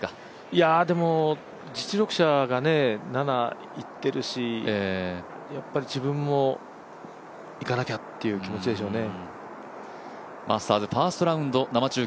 いや、でも実力者が７いってるし、やっぱり自分も行かなきゃという気持ちでしょうね。